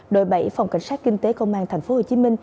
đội bảy phòng cảnh sát kinh tế công an tp hcm